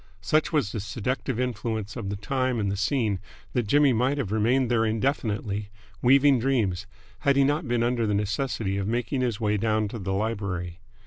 Such was the seductive influence of the time and the scene that Jimmy might have remained there indefinitely, weaving dreams, had he not been under the necessity of making his way down to the library.